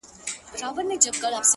سیاه پوسي ده. خُم چپه پروت دی.